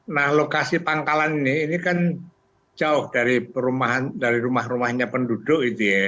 nah lokasi pangkalan ini kan jauh dari rumah rumahnya penduduk